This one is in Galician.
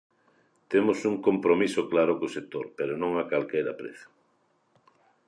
Temos un compromiso claro co sector pero non a calquera prezo.